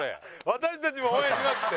「私たちも応援します」って。